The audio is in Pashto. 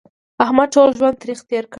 احمد ټول ژوند تریخ تېر کړ